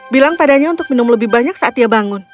bilang padanya untuk minum lebih banyak saat ia bangun